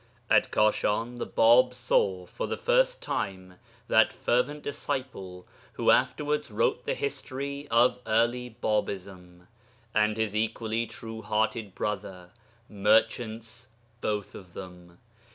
At Kashan the Bāb saw for the first time that fervent disciple, who afterwards wrote the history of early Bābism, and his equally true hearted brother merchants both of them.